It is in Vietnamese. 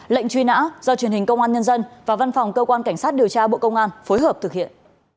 lệnh truy nã do truyền hình công an nhân dân và văn phòng cơ quan cảnh sát điều tra bộ công an phối hợp thực hiện